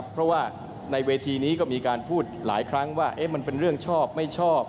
เพราะว่าในเวทีนี้ก็มีการพูดหลายครั้งว่ามันเป็นเรื่องชอบไม่ชอบ